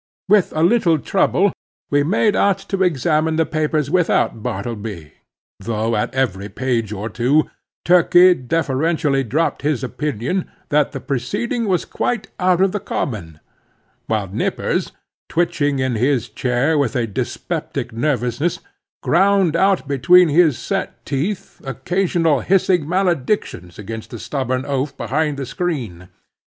With a little trouble we made out to examine the papers without Bartleby, though at every page or two, Turkey deferentially dropped his opinion that this proceeding was quite out of the common; while Nippers, twitching in his chair with a dyspeptic nervousness, ground out between his set teeth occasional hissing maledictions against the stubborn oaf behind the screen.